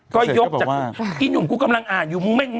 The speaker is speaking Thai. กินยุนกูกำลังอ่านอยู่